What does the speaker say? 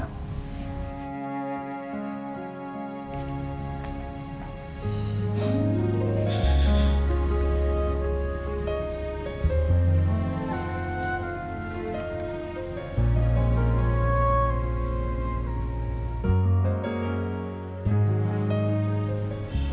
aku mau makan